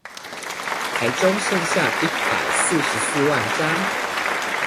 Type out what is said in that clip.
台中剩下一百四十四萬張